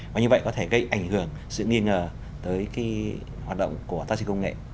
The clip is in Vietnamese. và như vậy có thể gây ảnh hưởng sự nghi ngờ tới cái hoạt động của taxi công nghệ